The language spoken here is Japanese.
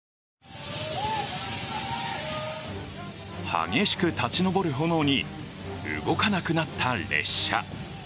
激しく立ち上る炎に動かなくなった列車。